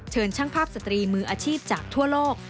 เชิญช่างภาพสตรีมืออาชีพจากทั่วโลก